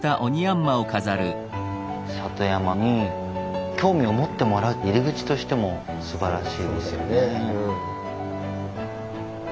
里山に興味を持ってもらう入り口としてもすばらしいですよね。